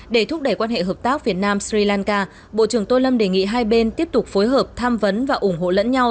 để thúc đẩy quan hệ hợp tác việt nam sri lanka bộ trưởng tô lâm đề nghị hai bên tiếp tục phối hợp tham vấn và ủng hộ lẫn nhau